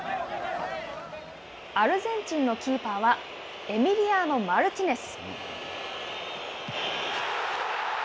アルゼンチンのキーパーはエミリアーノ・マルティネス。